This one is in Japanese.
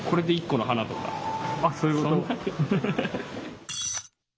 あっそういうこと？